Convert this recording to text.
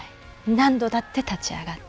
何度だって立ち上がって。